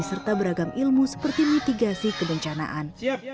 serta beragam ilmu seperti mitigasi kebencanaan